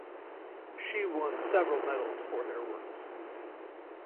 She won several medals for her works.